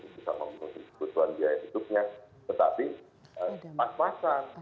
bisa membutuhkan biaya hidupnya tetapi pas pasan